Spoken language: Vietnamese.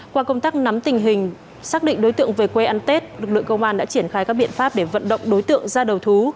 qua công tác nắm tình hình xác định đối tượng về quê ăn tết lực lượng công an đã triển khai các biện pháp để vận động đối tượng ra đầu thú